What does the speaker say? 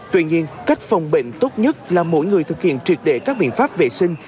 tuy nhiên cách phòng bệnh tốt nhất là mỗi người thực hiện triệt đệ các biện pháp vệ sinh